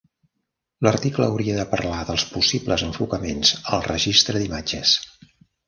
L'article hauria de parlar dels possibles enfocaments al registre d'imatges.